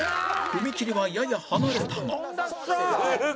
踏み切りはやや離れたが